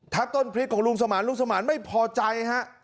ต้นพริกของลุงสมานลุงสมานไม่พอใจฮะ